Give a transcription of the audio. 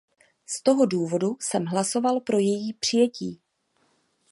Z toho důvodu jsem hlasoval pro její přijetí.